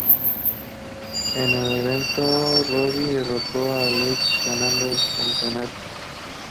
En el evento, Robbie derrotó a Lethal, ganando el campeonato.